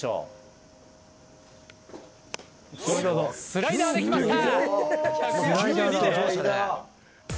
スライダーで来ました。